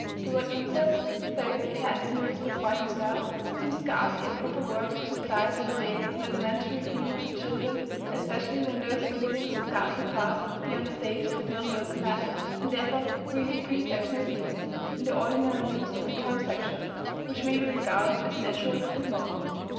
The word "incest," though it has been used by Freud himself, seems scarcely a proper word to apply to the vague and elementary feelings of children, especially when those feelings scarcely pass beyond a stage of non localized and therefore really presexual feelings (in the ordinary use of the term "sexual") which may be regarded as natural and normal.